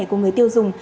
của người tiêu dùng